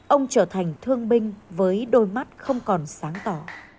ông trở thành thương binh với đôi mắt không còn sáng tỏ